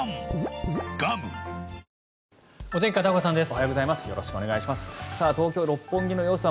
おはようございます。